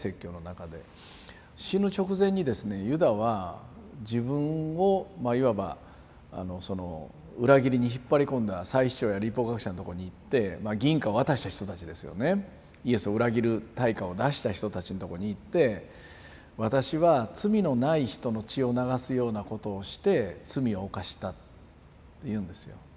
死ぬ直前にですねユダは自分をまあいわばその裏切りに引っ張り込んだ祭司長や律法学者のとこに行ってまあ銀貨を渡した人たちですよねイエスを裏切る対価を出した人たちのとこに行って私は罪のない人の血を流すようなことをして罪を犯したって言うんですよ。